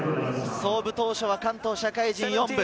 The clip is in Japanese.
創部当初は関東社会人４部。